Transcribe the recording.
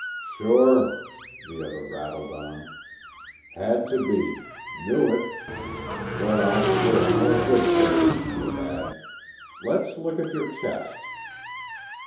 "Sure," the other rattled on. "Had to be. Knew it. Well, there are more good sawyers to be had. Let's look at your chest."